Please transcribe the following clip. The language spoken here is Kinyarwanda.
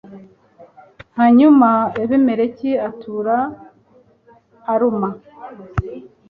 hanyuma abimeleki atura aruma